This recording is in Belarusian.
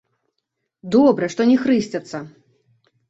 Добра, што не хрысцяцца!